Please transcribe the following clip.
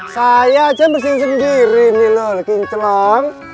saya aja bersihin sendiri nih lho kinclong